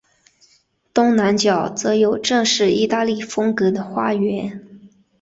东南角则有正式意大利风格的花园。